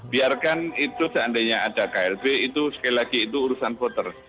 biarkan itu seandainya ada klb itu sekali lagi itu urusan voter